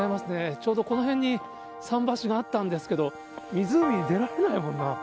ちょうどこの辺に桟橋があったんですけど、湖に出られないもんな。